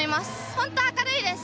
本当、明るいです。